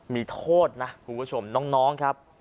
มีโทษนะคุณผู้ชมน้องครับ